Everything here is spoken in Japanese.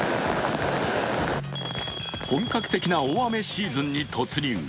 本格的な大雨シーズンに突入。